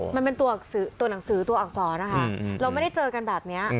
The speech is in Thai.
มันเป็นตัวหนังสือตัวอักษรนะคะเราไม่ได้เจอกันแบบนี้